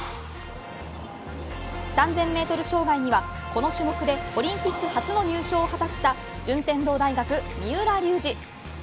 ３０００メートル障害にはこの種目でオリンピック初の入賞を果たした順天堂大学、三浦龍司。